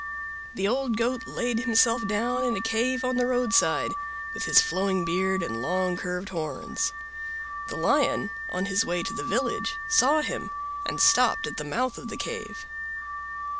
The old Goat laid himself down in a cave on the roadside, with his flowing beard and long curved horns. The Lion, on his way to the village, saw him, and stopped at the mouth of the cave.